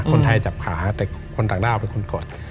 คนไทยจับขาแต่คนดกฏออกไปกด